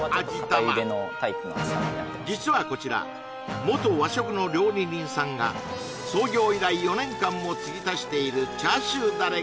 玉実はこちら元和食の料理人さんが創業以来４年間も継ぎ足しているあ